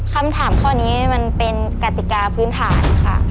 คำถามข้อนี้มันเป็นกติกาพื้นฐานค่ะ